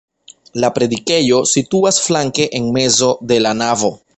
La predikejo situas flanke en mezo de la navo.